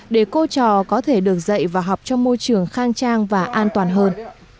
để cô trò có thể được dạy và học trong môi trường khang trang và an toàn hơn